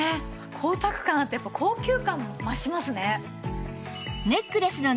光沢感あって高級感も増しますね。